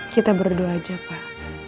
kita berdua aja pak